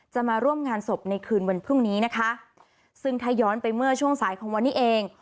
มาร่วมงานศพในคืนวันพรุ่งนี้นะคะซึ่งถ้าย้อนไปเมื่อช่วงสายของวันนี้เอง